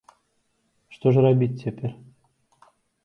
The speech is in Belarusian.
Што ж рабіць цяпер?